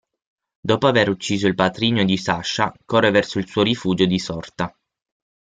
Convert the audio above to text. Dopo aver ucciso il patrigno di Sasha, corre verso il suo rifugio di sorta.